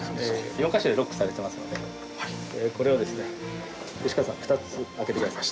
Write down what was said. ４か所でロックされてますのでこれをですね吉川さん２つ開けて下さい。